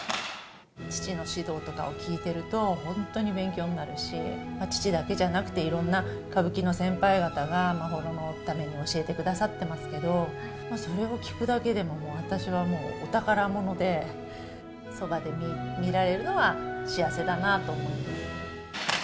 父の指導とかを聞いてると、本当に勉強になるし、父だけじゃなくて、いろんな歌舞伎の先輩方が眞秀のために教えてくださってますけど、それを聞くだけでも、もう私はもうお宝もので、そばで見られるのは、幸せだなと思います。